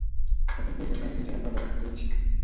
এখন পর্যন্ত আমি নিজে একা লড়াই করেছি।